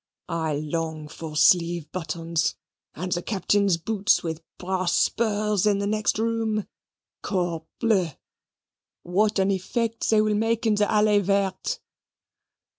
"I long for sleeve buttons; and the Captain's boots with brass spurs, in the next room, corbleu! what an effect they will make in the Allee Verte!"